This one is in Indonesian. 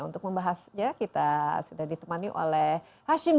untuk membahasnya kita sudah ditemani oleh nara sumber